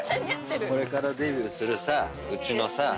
これからデビューするさうちのさ